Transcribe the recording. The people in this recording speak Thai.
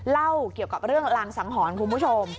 เล่าเกี่ยวกับเรื่องรางสังหรณ์คุณผู้ชม